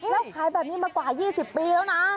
แล้วขายแบบนี้มากว่า๒๐ปีแล้วนะ